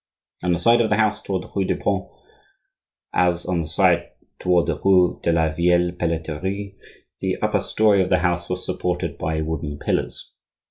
On the side of the house toward the rue du Pont, as on the side toward the rue de la Vieille Pelleterie, the upper story of the house was supported by wooden pillars.